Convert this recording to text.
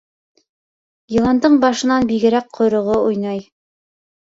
Йыландың башынан бигерәк ҡойроғо уйнай.